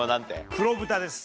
黒豚です。